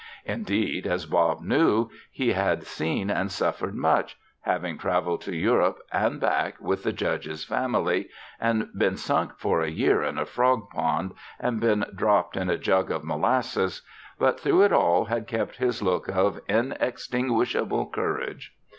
Indeed, as Bob knew, he had seen and suffered much, having traveled to Europe and back with the Judge's family and been sunk for a year in a frog pond and been dropped in a jug of molasses, but through it all had kept his look of inextinguishable courage.